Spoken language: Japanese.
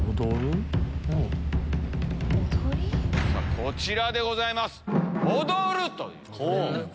こちらでございます。